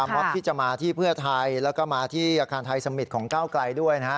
มอบที่จะมาที่เพื่อไทยแล้วก็มาที่อาคารไทยสมิตรของก้าวไกลด้วยนะฮะ